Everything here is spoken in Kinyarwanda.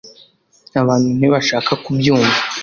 abantu ntibashaka kubyumva